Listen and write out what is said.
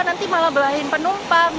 nanti malah belahin penumpang